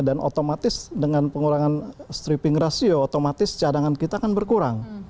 dan otomatis dengan pengurangan stripping ratio otomatis cadangan kita akan berkurang